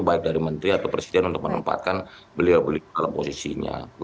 baik dari menteri atau presiden untuk menempatkan beliau beliau dalam posisinya